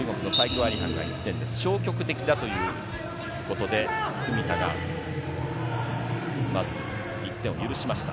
消極的だということで、文田がまず１点を許しました。